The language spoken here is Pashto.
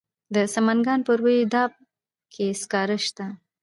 د سمنګان په روی دو اب کې سکاره شته.